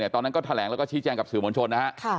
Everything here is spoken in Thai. ตอนนั้นก็แถลงแล้วก็ชี้แจงกับสื่อมวลชนนะฮะ